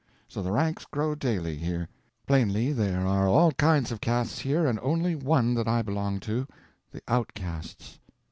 So the ranks grow daily, here. Plainly there are all kinds of castes here and only one that I belong to, the outcasts."